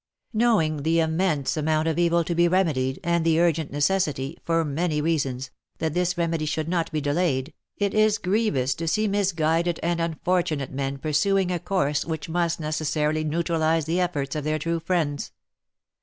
Knowing the immense amount of evil to be remedied, and the urgent necessity, for many reasons, that this remedy should not be delayed, it is grievous to see IV PREFACE. misguided and unfortunate men pursuing a course which must neces sarily neutralize the efforts of their true friends.